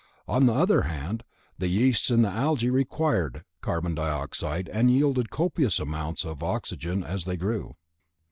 On the other hand, the yeasts and algae required carbon dioxide and yielded copious amounts of oxygen as they grew.